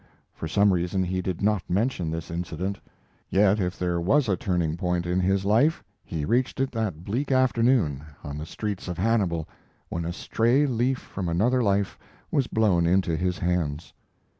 For some reason he did not mention this incident. Yet if there was a turning point in his life, he reached it that bleak afternoon on the streets of Hannibal when a stray leaf from another life was blown into his hands.